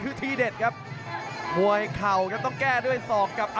อื้อหือจังหวะขวางแล้วพยายามจะเล่นงานด้วยซอกแต่วงใน